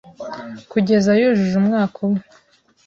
kugeza yujuje umwaka umwe